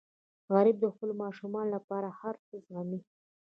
غریب د خپلو ماشومانو لپاره هر څه زغمي